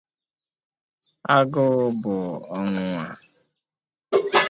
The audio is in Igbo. Agụụ bụ ọnwụnwà